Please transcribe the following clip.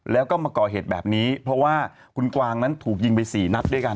แล้วก็มาก่อเหตุแบบนี้เพราะว่าคุณกวางนั้นถูกยิงไปสี่นัดด้วยกัน